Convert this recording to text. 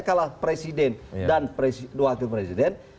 kalah presiden dan wakil presiden